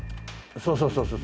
そうそうそうそうそう。